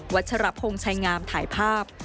ชรพงศ์ชัยงามถ่ายภาพ